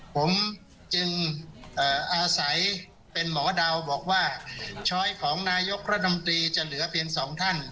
ผมจึงอาศัยเป็นหมอดาวบอกว่าช้อยของนายกรัฐมนตรีจะเหลือเพียงสองท่าน